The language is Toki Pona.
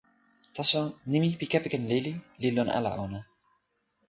taso, nimi pi kepeken lili li lon ala ona.